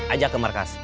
ajak ke markas